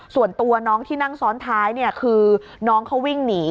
ส่วนตัวน้องที่นั่งซ้อนท้ายคือน้องเขาวิ่งหนี